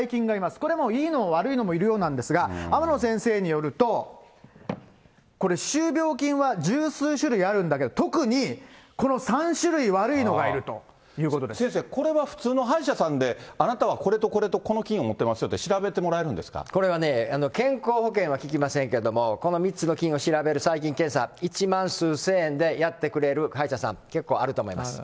これもう、いいのも悪いのもいるようなんですが、天野先生によると、これ、歯周病菌は十数種類あるんだけれども、特にこの３種類悪いのがい先生、これは普通の歯医者さんで、あなたはこれとこれとこの菌を持ってますよって調べてもらこれはね、健康保険は利きませんけども、この３つの菌を調べる細菌検査、１万数千円でやってくれる歯医者さん、結構あると思います。